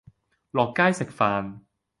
落街食飯